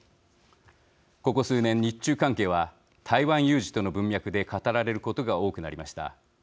ここ数年、日中関係は台湾有事との文脈で語られることが多くなりました。